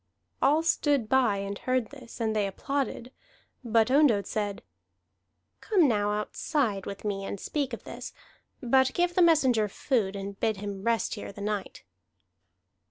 All stood by and heard this, and they applauded. But Ondott said: "Come now outside with me and speak of this, but give the messenger food and bid him rest here the night."